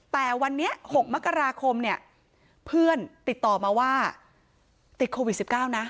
แต่วันนี้๖มกราคมเนี่ยเพื่อนติดต่อมาว่าติดโควิด๑๙นะ